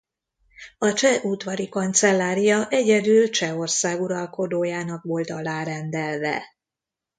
A cseh udvari kancellária egyedül Csehország uralkodójának volt alárendelve.